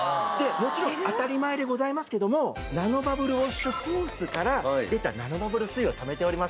もちろん当たり前でございますけどもナノバブルウォッシュホースから出たナノバブル水をためております。